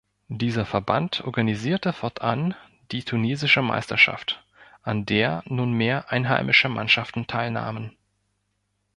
Dieser Verband organisierte fortan die tunesische Meisterschaft, an der nun mehr einheimische Mannschaften teilnahmen.